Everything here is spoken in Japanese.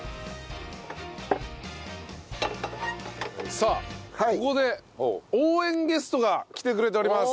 さあここで応援ゲストが来てくれております。